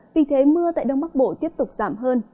vì thế mưa tại đông bắc bộ tiếp tục giảm hơn